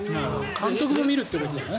監督が見るってことだね。